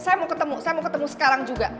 saya mau ketemu saya mau ketemu sekarang juga